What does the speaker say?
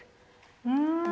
うん。